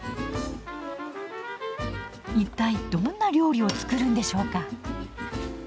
一体どんな料理を作るんでしょうか。